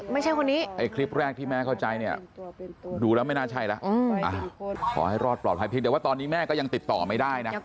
แม่ก็รออยู่แบบนี้